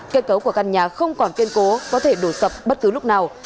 kết cấu của căn nhà không còn kiên cố có thể đổ sập bất cứ lúc nào